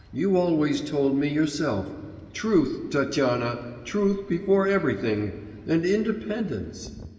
You always told me yourself: truth, Tatyana, truth before everything and independence.